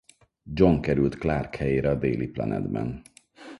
John került Clark helyére a Daily Planet-ben.